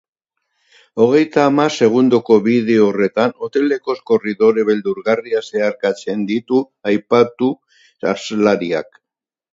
Hogeita hamar segundoko bideo horretan hoteleko korridore beldurgarriak zeharkatzen ditu aipatu aslariak.